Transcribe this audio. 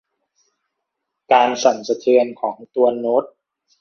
การสั่นสะเทือนของตัวโน้ต